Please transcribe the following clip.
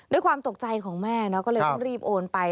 ด้วยความตกใจของแม่ก็เลยต้องรีบโอนไป